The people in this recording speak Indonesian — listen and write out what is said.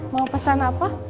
mau pesan apa